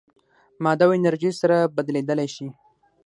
ماده او انرژي سره بدلېدلی شي.